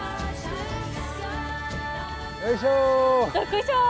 よいしょ！